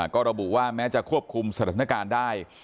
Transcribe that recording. ก็ระบุว่าแม้จะควบคุมสถานการณ์ได้